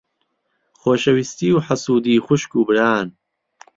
خۆشەویستی و حەسوودی خوشک و بران.